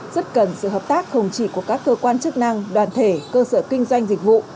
rất cần sự hợp tác không chỉ của các cơ quan chức năng đoàn thể cơ sở kinh doanh dịch vụ